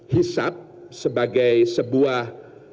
hisab sebagai sebuah